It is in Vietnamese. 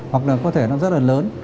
hoặc là có thể nó rất là lớn